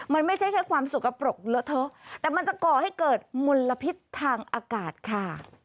มันไม่ใช่แค่ความสกปรกเลอะเทอะแต่มันจะก่อให้เกิดมลพิษทางอากาศค่ะ